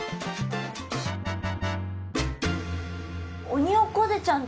オニオコゼちゃん